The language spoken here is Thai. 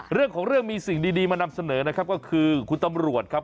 เรื่องของเรื่องมีสิ่งดีมานำเสนอนะครับก็คือคุณตำรวจครับ